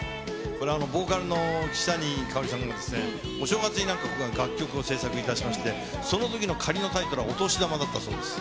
これ、ボーカルの岸谷香さんがお正月に楽曲を制作いたしまして、そのときの仮のタイトルがお年玉だったそうです。